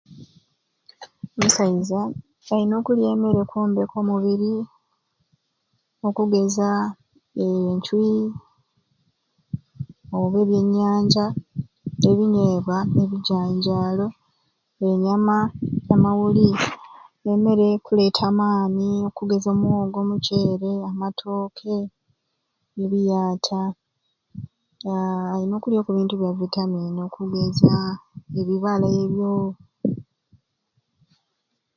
Omusaiza alina okulya emmere okwomboka omubiri okugeza encwi oba ebyenyanja, ebinyeebwa n'ebijanjaalo ennyama amawuli n'emmere ekuleeta amaani okugeza omwogo, omuceere, amatooke, ebiaata aaa alina okulya okubintu ebya vitamini okugeza ebibala ebyo.